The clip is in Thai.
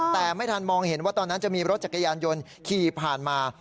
แต่ไม่ทันมองเห็นว่าตอนนั้นจะมีรถจักรยานยนต์ขี่ผ่านมา